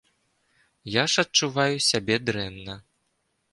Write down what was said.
Я ж адчуваю сябе дрэнна.